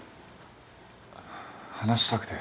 話したくて。